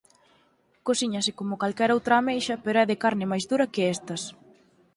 Cocíñase como calquera outra ameixa pero é de carne máis dura que estas.